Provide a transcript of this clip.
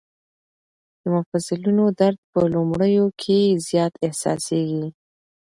د مفصلونو درد په لومړیو کې زیات احساسېږي.